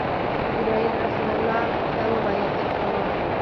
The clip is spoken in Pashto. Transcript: جبرئیل رسول الله ته وویل: “اقرأ!”